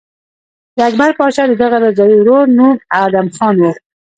د اکبر پاچا د دغه رضاعي ورور نوم ادهم خان و.